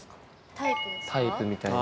タイプみたいな。